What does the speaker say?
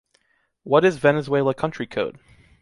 What is Venezuela country code?